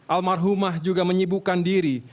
almarhumah juga menyibukkan diri